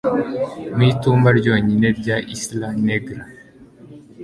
mu itumba ryonyine rya Isla Negra